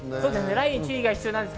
雷雨に注意が必要です。